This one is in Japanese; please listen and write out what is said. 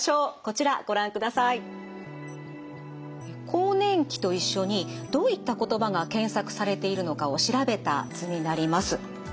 更年期と一緒にどういった言葉が検索されているのかを調べた図になります。